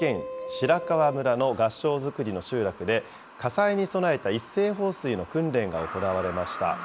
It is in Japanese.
白川村の合掌造りの集落で、火災に備えた一斉放水の訓練が行われました。